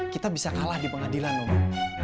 kita bisa kalah di pengadilan umum